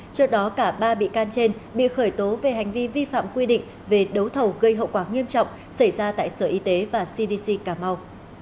trước đó cả ba bị can trên bị khởi tố về hành vi vi phạm quy định về đấu thầu gây hậu quả nghiêm trọng xảy ra tại sở y tế và cdc cảm mau